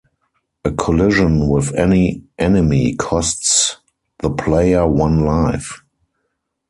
A collision with any enemy costs the player one life.